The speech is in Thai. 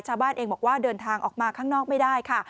ชาวบ้านเองบอกว่าเดินทางออกมาข้างนอกไม่ได้ค่ะ